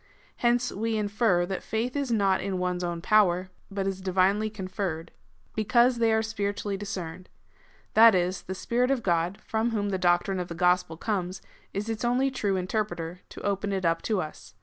Hence we infer, that faith is not in one's own power, but is divinely conferred. Because they are spiritually discerned. That is, the Spirit of God, from whom the doctrine of the gospel comes, is its only true interpreter, to open it up to us.